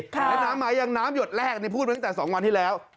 แนน้ำไมน์ยังน้ำหยดแรกเรียบกันตั้งแต่สองวันที่แล้ว